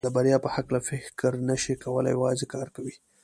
د بریا په هکله فکر نشي کولای او یوازې کار کوي.